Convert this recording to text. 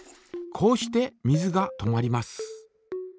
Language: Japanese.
こうして水が止まります。